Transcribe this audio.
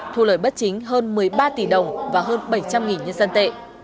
thu lời bất chính hơn một mươi ba tỷ đồng và hơn bảy trăm linh nhân dân tệ